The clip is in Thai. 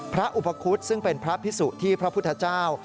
พระอุปคุฎซึ่งเป็นพระพิสุที่พระพุทธเจ้า